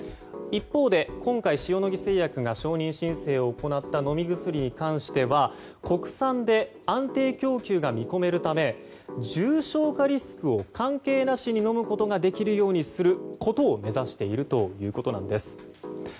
一方で今回、塩野義製薬が承認申請を行った飲み薬に関しては国産で安定供給が見込めるため重症化リスクを関係なしに飲むことができるようにすることを目指しているということなんです。